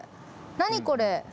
何これ？